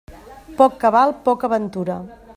Poc cabal, poca ventura.